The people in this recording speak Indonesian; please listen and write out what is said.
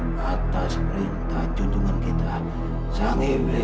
atas perintah cundungan kita sang ible